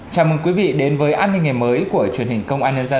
chào mừng quý vị đến với an ninh ngày mới của truyền hình công an nhân dân